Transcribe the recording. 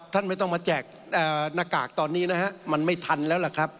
ไม่ต้องมาแจกหน้ากากตอนนี้นะฮะมันไม่ทันแล้วล่ะครับ